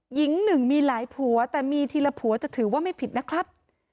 หญิงหนึ่งมีหลายผัวแต่มีทีละผัวจะถือว่าไม่ผิดนะครับ